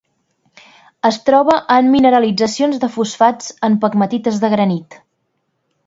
Es troba en mineralitzacions de fosfats en pegmatites de granit.